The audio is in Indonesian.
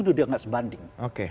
sudah tidak sebanding